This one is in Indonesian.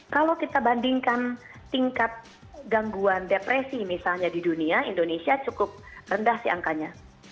kalau kita bandingkan tingkat gangguan depresi misalnya di dunia indonesia cukup rendah sih angkanya